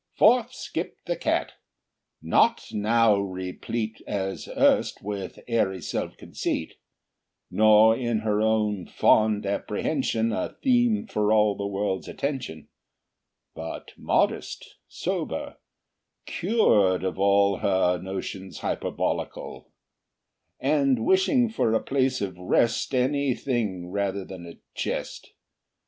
Forth skipped the cat, not now replete As erst with airy self conceit, Nor in her own fond comprehension, A theme for all the world's attention, But modest, sober, cured of all Her notions hyperbolical, And wishing for a place of rest, Any thing rather than a chest.